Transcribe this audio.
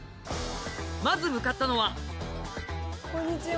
まず向かったのはこんにちは。